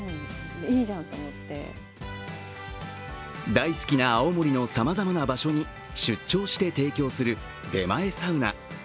大好きな青森のさまざまな場所に出張して提供する出前サウナ。